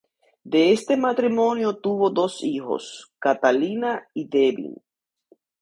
De este matrimonio tuvo dos hijos, Catalina y Devin.